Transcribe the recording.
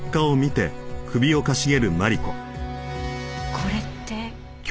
これって。